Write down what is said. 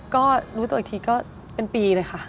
ก็รู้ตัวอีกทีก็เป็นปีเลยค่ะ